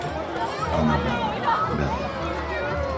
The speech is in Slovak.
Anabela, Bela